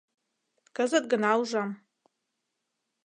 — Кызыт гына ужам.